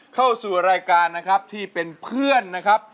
เข้าสู่รายการนะครับที่เป็นเพื่อนนะครับ